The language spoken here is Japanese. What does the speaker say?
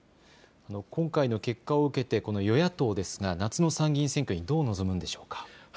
今回の結果を受けて与野党ですが夏の参議院選挙にどう臨むのでしょうか。